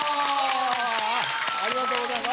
ありがとうございます。